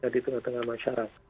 di tengah tengah masyarakat